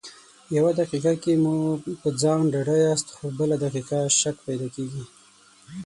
يو دقيقه کې مو په ځان ډاډه ياست خو بله دقيقه شک پیدا کېږي.